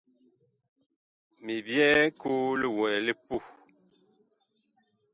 Mi byɛɛ koo li wɛɛ li puh.